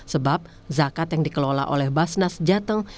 sebab zakat yang dikelola oleh basnas jateng